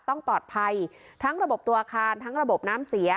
ต้องปลอดภัยทั้งระบบตัวอาคารทั้งระบบน้ำเสีย